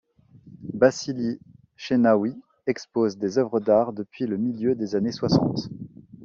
Bassili Sehnaoui expose des œuvres d'art depuis le milieu des années soixante.